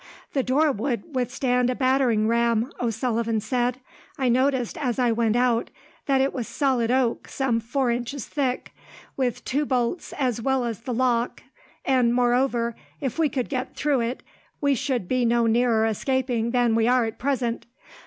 "The door would withstand a battering ram," O'Sullivan said. "I noticed, as I went out, that it was solid oak some four inches thick, with two bolts as well as the lock, and, moreover, if we could get through it we should be no nearer escaping than we are at present.